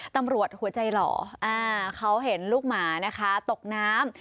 ตำรวจหัวใจหล่อเขาเห็นลูกหมานะคะตกน้ำ